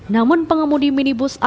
namun pengemudi minibus alamnya